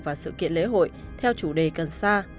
và sự kiện lễ hội theo chủ đề cần xa